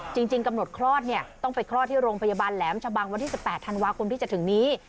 จริงกำหนดคลอดเนี่ยต้องไปคลอดที่โรงพยาบาลแหลมชะบังวันที่๑๘ธันวาคมที่จะถึงนี้